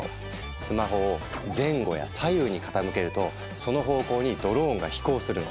スマホを前後や左右に傾けるとその方向にドローンが飛行するの。